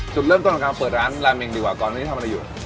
จุดเริ่มต้นของการเปิดร้านลาเมงดีกว่าตอนนี้ทำอะไรอยู่